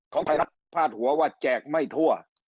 ของภายลักษณ์พาดหัวว่าแจกไม่ทั่ว